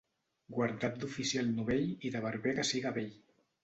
Guarda't d'oficial novell i de barber que siga vell.